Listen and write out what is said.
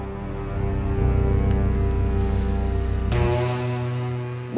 tidak ada masalah